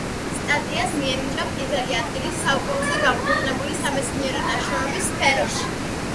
სტატიას მიენიჭა პირველი ადგილი საუკეთესო გამოქვეყნებული სამეცნიერო ნაშრომების სფეროში.